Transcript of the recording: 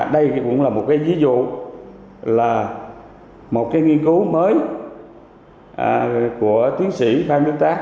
đây cũng là một ví dụ là một nghiên cứu mới của tuyến sĩ phan đức tát